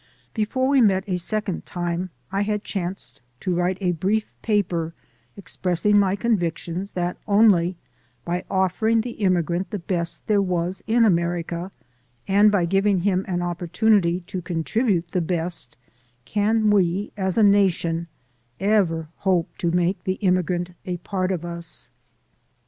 Before we met a second time I had chanced to write a brief paper expressing my con victions that only by offering the immigrant the best there was in America and by giving him an op portunity to contribute the best, can we as a nation ever hope to make the immigrant a part of us.